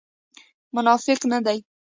منافق نه دی.